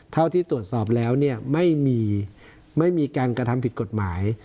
เท่าที่ตรวจสอบแล้วเนี่ยไม่มีการกระทำผิดกฎหมาย